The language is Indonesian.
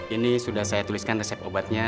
ini sudah saya tuliskan resep obatnya